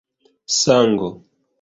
sango